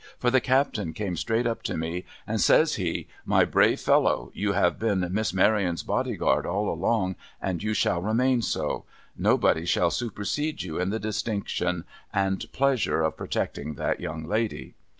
For, the Captain came straight up to me, and says he, ' My brave fellow, you have been Miss Maryon's body guard all along, and you shall remain so. Nobody shall supersede you in the distinction and pleasure of protecting that young lady.'